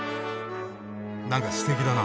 なんかすてきだな。